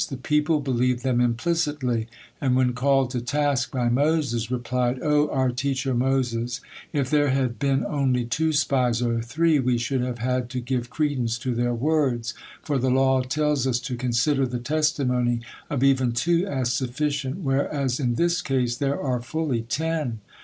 The people believed them implicitly, and when called to task by Moses, replied: "O our teacher Moses, if there had been only two spies or three, we should have had to give credence to their words, for the law tells us to consider the testimony of even two as sufficient, whereas in this case there are fully ten!